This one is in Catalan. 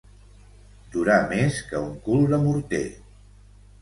Durar més que un cul de morter.